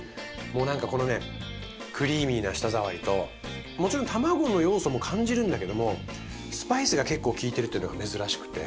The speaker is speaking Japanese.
もうなんかこのねクリーミーな舌触りともちろんたまごの要素も感じるんだけどもスパイスが結構利いてるっていうのが珍しくて。